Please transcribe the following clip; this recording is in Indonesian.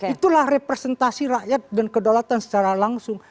itulah representasi rakyat dan kedaulatan secara langsung